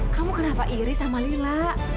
kamu kenapa iri sama lila